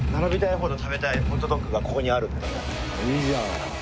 いいじゃん。